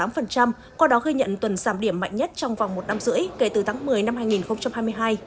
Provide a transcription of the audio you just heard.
qua đó ghi nhận tuần giảm điểm mạnh nhất trong vòng một năm rưỡi kể từ tháng một mươi năm hai nghìn hai mươi hai